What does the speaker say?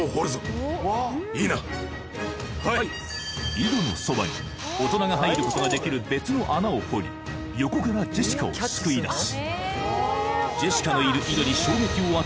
井戸のそばに大人が入ることができる別の穴を掘り横からジェシカを救い出す